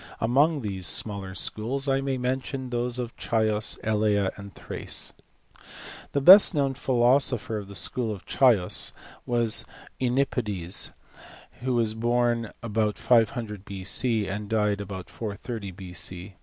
Among these smaller schools I may mention those at Chios, Elea, and Thrace. The best known philosopher of the School of Chios was (Enopides, who was born about 500 B.C. and died about 430 B.C.